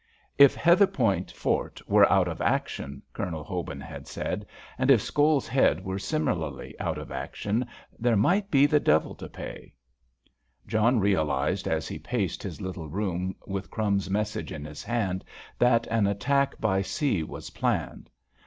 "If Heatherpoint Fort were out of action," Colonel Hobin had said, "and if Scoles Head were similarly out of action, there might be the devil to pay." John realised as he paced his little room with "Crumbs's" message in his hand, that an attack by sea was planned.